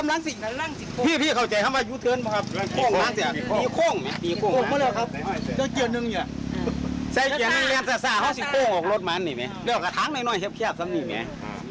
เรียกว่าท้างแน่งเทียบซ้ำนี่ไหม